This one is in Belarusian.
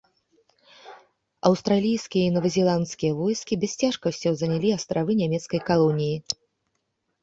Аўстралійскія і новазеландскія войскі без цяжкасцяў занялі астравы нямецкай калоніі.